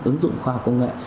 ứng dụng khoa học công nghệ